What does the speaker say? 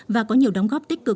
và có nhiều đóng góp tích cực